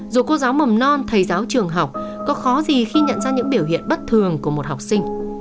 dù cô giáo mầm non thầy giáo trường học có khó gì khi nhận ra những biểu hiện bất thường của một học sinh